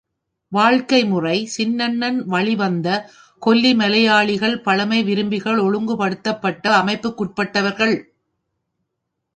வாழ்க்கை முறை சின்னண்ணன் வழிவந்த கொல்லி மலையாளிகள் பழமை விரும்பிகள் ஒழுங்கு படுத்தப்பட்ட அமைப்புக்குட்பட்டவர்கள்.